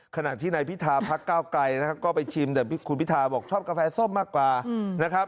ขณะที่นายพิธาพักเก้าไกลนะครับก็ไปชิมแต่คุณพิทาบอกชอบกาแฟส้มมากกว่านะครับ